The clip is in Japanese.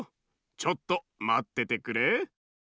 ちょっとまっててくれ。